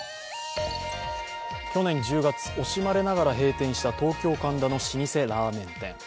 去年１０月、惜しまれながら閉店した東京・神田の老舗ラーメン店。